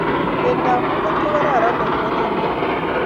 Pendo ab mulot kokararan ak ayinyin nea